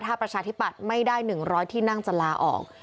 ถ้าประชาธิปัตย์ไม่ได้๑๐๐ที่นั่งจะลาออก